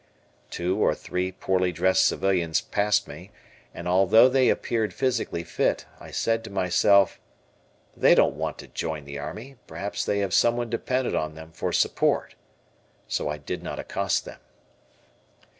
Two or three poorly dressed civilians passed me, and although they appeared physically fit, I said to myself, "They don't want to Join the army; perhaps they have someone dependent on them for support," so I did not accost them.